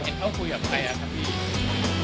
เข้าคุยกับใครครับพี่